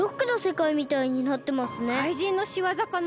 かいじんのしわざかな？